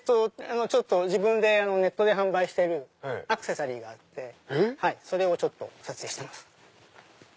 自分でネットで販売してるアクセサリーがあってそれを撮影してます。